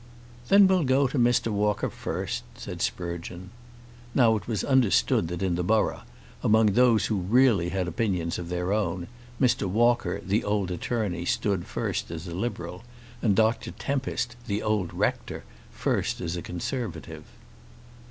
"Then we'll go to Mr. Walker first," said Sprugeon. Now it was understood that in the borough, among those who really had opinions of their own, Mr. Walker the old attorney stood first as a Liberal, and Dr. Tempest the old rector first as a Conservative.